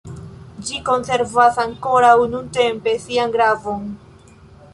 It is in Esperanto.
Ĝi konservas ankoraŭ, nuntempe, sian gravon.